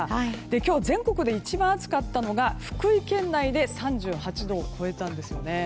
今日、全国で一番暑かったのが福井県内で３８度を超えたんですね。